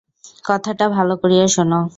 কথাটা ভালো করিয়া শোনো।